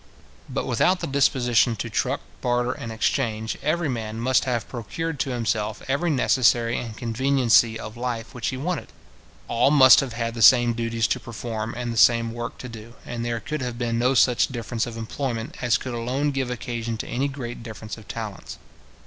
But without the disposition to truck, barter, and exchange, every man must have procured to himself every necessary and conveniency of life which he wanted. All must have had the same duties to perform, and the same work to do, and there could have been no such difference of employment as could alone give occasion to any great difference of talents.